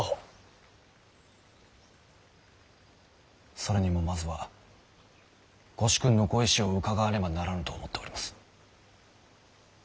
それにもまずはご主君のご意志を伺わねばならぬと思っております。